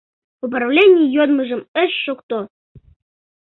Управлений йодмыжым ыш шукто.